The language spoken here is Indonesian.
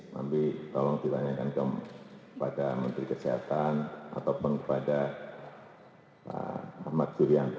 mbak bi tolong ditanyakan kepada menteri kesehatan ataupun kepada pak ahmad julianto